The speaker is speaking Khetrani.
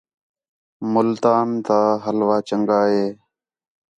ملتان تا حلوہ چَنڳا ہے